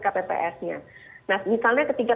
kppsnya nah misalnya ketika